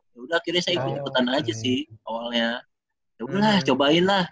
yaudah akhirnya saya ikut ikutan aja sih awalnya